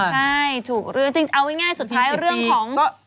ใช่ถูกเอาง่ายสุดท้ายเรื่องของ